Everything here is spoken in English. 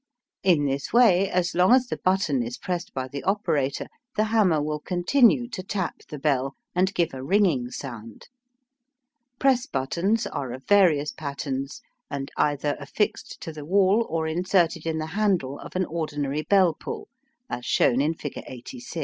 In this way, as long as the button is pressed by the operator, the hammer will continue to tap the bell and give a ringing sound. Press buttons are of various patterns, and either affixed to the wall or inserted in the handle of an ordinary bell pull, as shown in figure 86.